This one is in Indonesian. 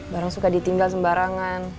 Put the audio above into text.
barang suka ditinggal sembarangan